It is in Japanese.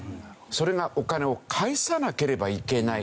それがお金を返さなければいけない。